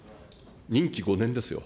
任期５年ですよ。